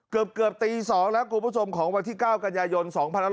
เกือบตี๒แล้วคุณผู้ชมของวันที่๙กันยายน๒๕๖๒